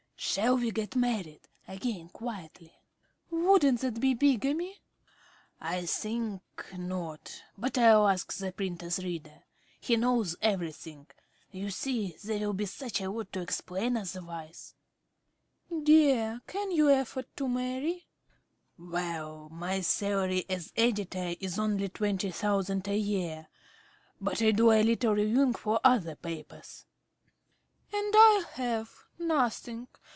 Shall we get married again quietly? ~Arabella.~ Wouldn't that be bigamy? ~Smith.~ I think not, but I will ask the printer's reader. He knows everything. You see, there will be such a lot to explain, otherwise. ~Arabella.~ Dear, can you afford to marry? ~Smith.~ Well, my salary as editor is only twenty thousand a year, but I do a little reviewing for other papers. ~Arabella.~ And I have nothing.